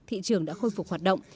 thị trường đã khôi phục hoạt động